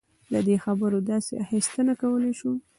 له دې خبرو داسې اخیستنه کولای شو.